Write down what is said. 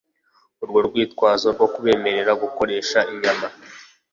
urwo rwitwazo rwo kubemerera gukoresha inyama